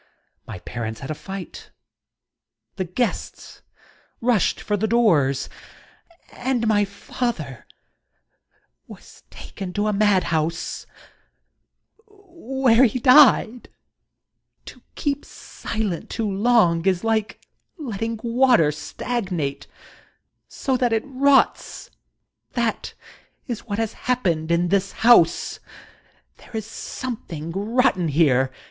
My parents had a fight, the guests rushed for the doors — and my father was taken to a madhouse, where he died ! To keep silent too long is like lettin, water stagnate so that it rots. That is what has happen< in this house. There is something rotten here.